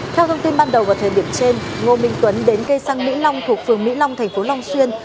theo thông tin ban đầu vào thời điểm trên ngô minh tuấn đến cây xăng mỹ long thuộc phường mỹ long thành phố long xuyên